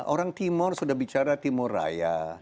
orang timur sudah bicara timuraya